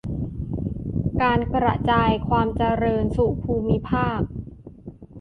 การกระจายความเจริญสู่ภูมิภาค